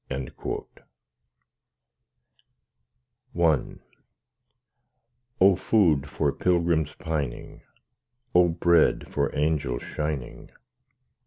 I O Food for pilgrims pining! O Bread for angels shining!